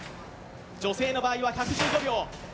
女性の場合は１１５秒。